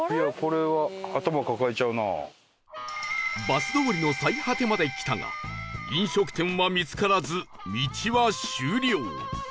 バス通りの最果てまで来たが飲食店は見つからず道は終了